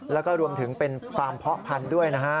แล้วก็รวมถึงเป็นฟาร์มเพาะพันธุ์ด้วยนะฮะ